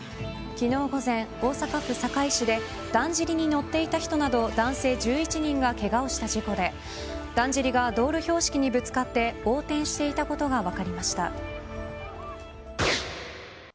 昨日午前、大阪府堺市でだんじりに乗っていた人など男性１１人がけがをした事故でだんじりが道路標識にぶつかって横転していたことが分かりました。